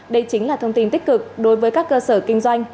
đây chính là thông tin tích cực đối với các cơ sở kinh doanh